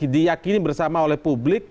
diyakini bersama oleh publik